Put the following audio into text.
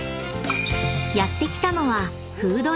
［やって来たのは］